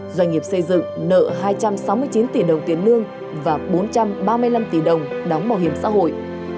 doanh nghiệp xây dựng nợ hai trăm sáu mươi chín tỷ đồng tiền lương và bốn trăm ba mươi năm tỷ đồng đóng bảo hiểm xã hội